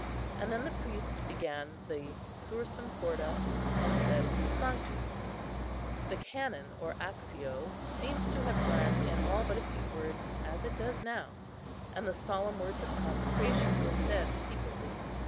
And then the priest began the Sursum corda, and said the Sanctus. The Canon or Actio seems to have run, in all but a few words, as it does now, and the solemn words of consecration were said secretly.